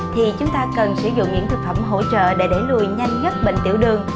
thì chúng ta cần sử dụng những thực phẩm hỗ trợ để đẩy lùi nhanh nhất bệnh tiểu đường